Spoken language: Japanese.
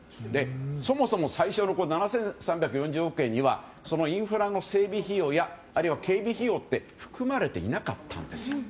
そもそも最初の７３４０億円にはインフラの整備費用やあるいは、警備費用は含まれていなかったんです。